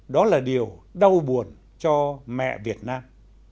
đó là điều đau buồn cho mẹ việt nam